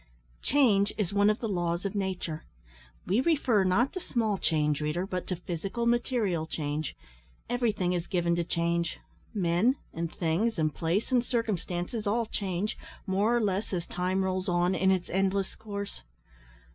Change is one of the laws of nature. We refer not to small change, reader, but to physical, material change. Everything is given to change; men, and things, and place, and circumstances, all change, more or less, as time rolls on in its endless course.